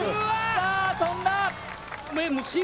さあ飛んだ。